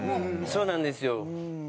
そうなんですよ。